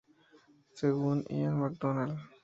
Según Ian MacDonald.